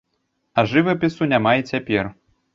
А жывапісу няма і цяпер.